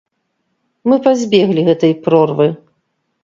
Мы пазбеглі гэтай прорвы.